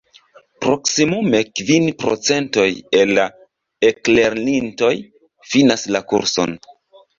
Proksimume kvin procentoj el la eklernintoj finas la kurson.